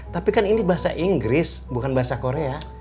tapi kan ini bahasa inggris bukan bahasa korea